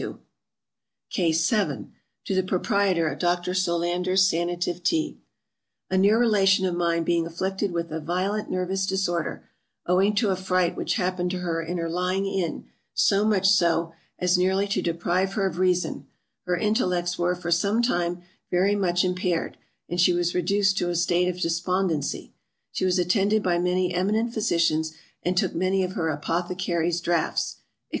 To the Proprietor of Dr. SOLANDER'S Sanative Tea. A near relation of mine being afflicted with a violent nervous disorder, owing to a fright which happened to her in her lying in, so much so, as nearly to deprive her of reason; her intellects were for some time, very much impaired, and she was reduced to a state of despondency; she was attended by many eminent physicians, and took many of her apothecary's draughts, &c.